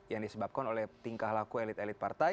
yang disebabkan oleh tingkah laku elit elit partai